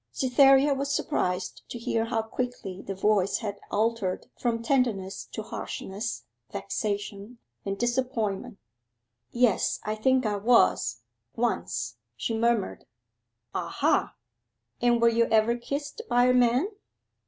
Cytherea was surprised to hear how quickly the voice had altered from tenderness to harshness, vexation, and disappointment. 'Yes I think I was once,' she murmured. 'Aha! And were you ever kissed by a man?